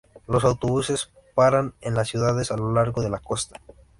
Los autobuses paran en las ciudades a lo largo de la costa.